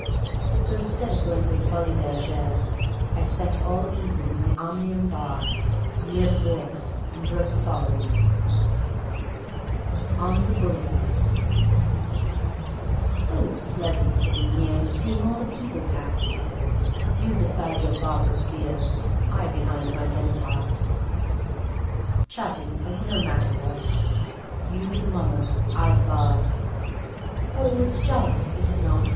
_ So instead of going to the Folies Bergère I spent all evening in the Omnium Bar near the Bourse, and wrote the following: On the Boulevard Oh, it's pleasant sitting here, Seeing all the people pass; You beside your bock of beer, I behind my demi tasse. Chatting of no matter what. You the Mummer, I the Bard; Oh, it's jolly, is it not?